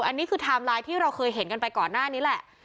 อันนี้คือไทม์ไลน์ที่เราเคยเห็นกันไปก่อนหน้านี้แหละ